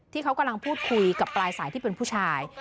ที่เขากำลังพูดคุยกับปลายสายที่เป็นผู้ชาย